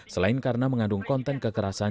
selain karena mengandung kontrak